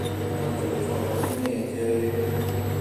我做錯咗啲咩啫？